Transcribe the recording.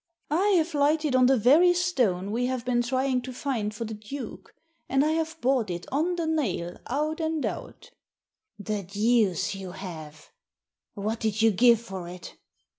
" I have lighted on the very stone we have been trying to find for the Duke, and I have bought it on the nail out and out" " The deuce you have ! What did you give for it